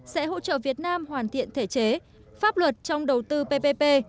sẽ hỗ trợ việt nam hoàn thiện thể chế pháp luật trong đầu tư ppp